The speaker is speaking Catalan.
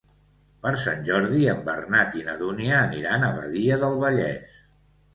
Per Sant Jordi en Bernat i na Dúnia aniran a Badia del Vallès.